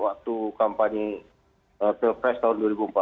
waktu kampanye pilpres tahun dua ribu empat belas